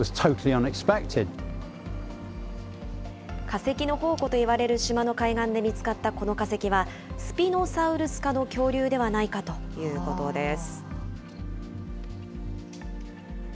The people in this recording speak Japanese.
化石の宝庫といわれる島の海岸で見つかったこの化石は、スピノサウルス科の恐竜ではないかということです。